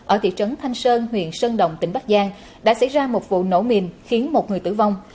ở thị trấn thanh sơn huyện sơn động tỉnh bắc giang đã xảy ra một vụ nổ mìn khiến một người tử vong